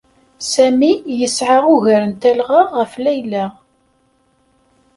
Sami yesɛa ugar n telɣa ɣef Layla.